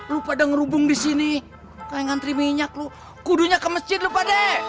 lu pada ngerubung di sini kayak ngantri minyak lu kudunya ke masjid lu pade